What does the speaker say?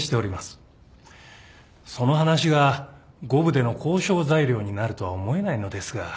その話が五分での交渉材料になるとは思えないのですが。